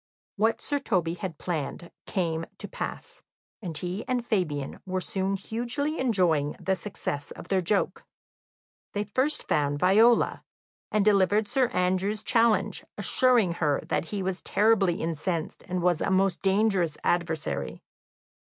What Sir Toby had planned came to pass, and he and Fabian were soon hugely enjoying the success of their joke. They first found Viola, and delivered Sir Andrew's challenge, assuring her that he was terribly incensed, and was a most dangerous adversary.